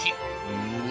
うわ